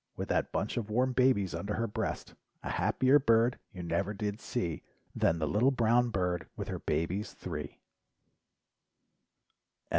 With that bunch of warm babies under her breast. A happier bird you never did ,see Than the little brown bird with her babies three.